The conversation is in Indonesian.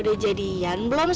udah jadian belum sama boy